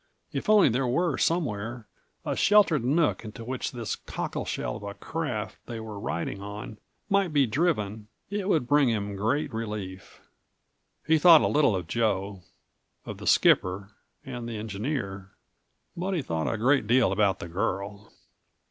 If only there were somewhere a sheltered nook into which this cockleshell of a craft they were riding on might be driven, it would bring him great relief. He thought a little of Joe, of the skipper and the engineer, but he thought a great deal about the girl.